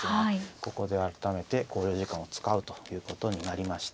ここで改めて考慮時間を使うということになりました。